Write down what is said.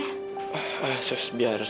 sus biar dia bisa berjalan ke rumah itu ya